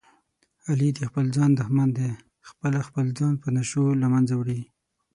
علي د خپل ځان دښمن دی، خپله خپل ځان په نشو له منځه وړي.